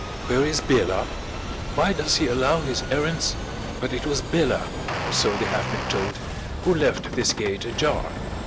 Where is Bela? Why does he allow his errands But it was Bela, or so they have been told, who left this gate ajar